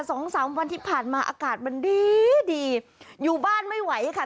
สองสามวันที่ผ่านมาอากาศมันดีดีอยู่บ้านไม่ไหวค่ะ